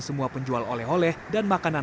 semua penjual oleh oleh dan makanan